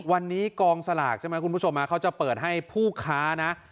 วันนี้กองสลากใช่ไหมคุณผู้ชมเขาจะเปิดให้ผู้ค้านะ